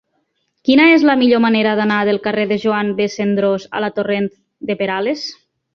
Quina és la millor manera d'anar del carrer de Joan B. Cendrós a la torrent de Perales?